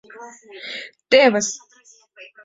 — Тевыс!